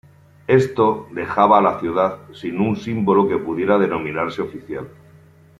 Esto dejaba a la ciudad sin un símbolo que pudiera denominarse "oficial".